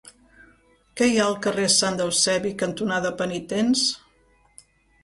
Què hi ha al carrer Sant Eusebi cantonada Penitents?